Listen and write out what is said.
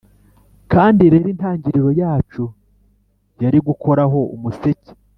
kandi rero intangiriro yacu yari gukoraho umuseke,